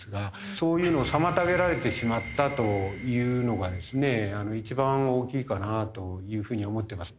そういうのを妨げられてしまったというのがですね一番大きいかなというふうに思ってます。